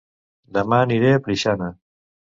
Dema aniré a Preixana